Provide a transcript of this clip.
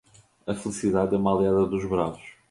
A felicidade é uma aliada dos bravos.